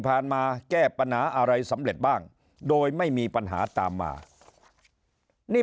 มาแก้ปัญหาอะไรสำเร็จบ้างโดยไม่มีปัญหาตามมานี่